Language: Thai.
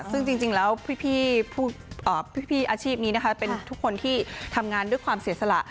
ซึ่งจริงแล้วพี่อาชีพนี้นะคะเป็นทุกคนที่ทำงานด้วยความเสียสละ